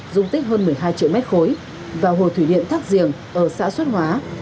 dung tích hơn một mươi hai triệu mét khối và hồ thủy điện thác giềng ở xã xuất hóa